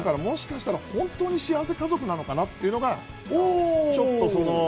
本当に幸せ家族なのかな？っていうのがちょっと。